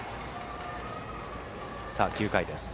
９回です。